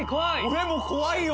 俺も怖いよ！